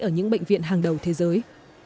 ở những bệnh viện hàng đầu thế giới